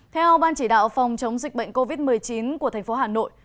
theo ban chỉ đạo phòng chống dịch bệnh covid một mươi chín của thành phố hà nội